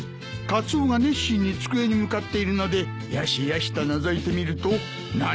カツオが熱心に机に向かっているのでよしよしとのぞいてみると何！？